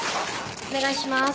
お願いします。